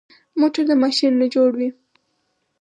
موټر د ماشین نه جوړ وي.